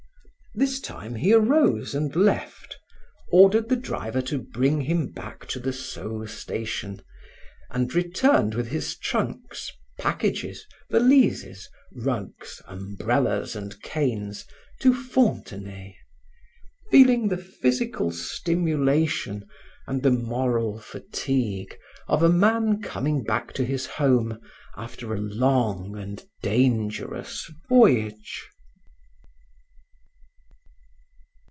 This time, he arose and left, ordered the driver to bring him back to the Sceaux station, and returned with his trunks, packages, valises, rugs, umbrellas and canes, to Fontenay, feeling the physical stimulation and the moral fatigue of a man coming back to his home after a long and dangerous voyage.